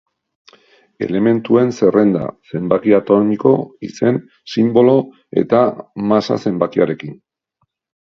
Elementuen zerrenda, zenbaki atomiko, izen, sinbolo eta masa-zenbakiarekin.